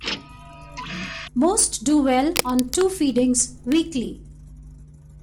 Most do well on two feedings weekly.